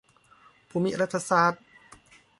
ภูมิรัฐศาสตร์